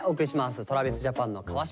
ＴｒａｖｉｓＪａｐａｎの川島如恵留です。